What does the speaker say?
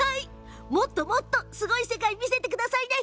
もっともっとすごい世界を見せてくださいね。